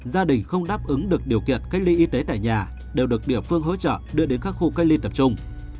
gia đình không đáp ứng được điều kiện cách ly y tế tại nhà đều được địa phương hỗ trợ đưa đến các khu cách ly tập trung